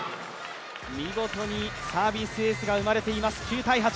見事にサービスエースが生まれています。